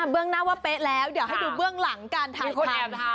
เรื่องหน้าว่าเป๊ะแล้วเดี๋ยวให้ดูเบื้องหลังการถ่ายความนะคะ